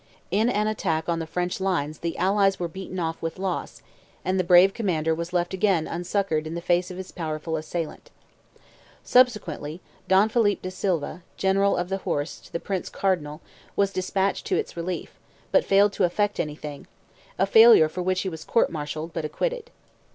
In an attack on the French lines the Allies were beaten off with loss, and the brave commander was left again unsuccoured in the face of his powerful assailant. Subsequently Don Philip de Silva, General of the Horse to the Prince Cardinal, was despatched to its relief, but failed to effect anything; a failure for which he was court martialed, but acquitted.